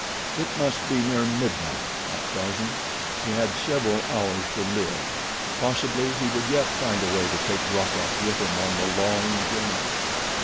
It must be near midnight, thought Tarzan. He had several hours to live. Possibly he would yet find a way to take Rokoff with him on the long journey.